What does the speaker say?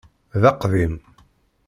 D aqdim.